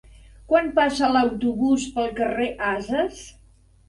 Quan passa l'autobús pel carrer Ases?